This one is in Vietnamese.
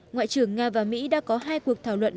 ngoại trưởng nga và mỹ đã có hai cuộc thảo luận